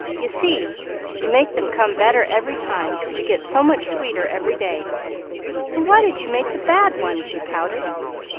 You see, you make them come better every time, 'cause you get so much sweeter every day." "Then why did you make the bad one?" she pouted.